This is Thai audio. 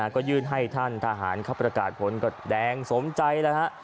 ก็ยื่นให้ท่านทหารเขาประกาศผลก็แดงสมใจแล้วฮะ